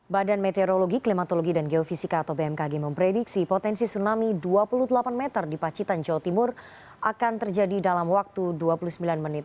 badan meteorologi klimatologi dan geofisika atau bmkg memprediksi potensi tsunami dua puluh delapan meter di pacitan jawa timur akan terjadi dalam waktu dua puluh sembilan menit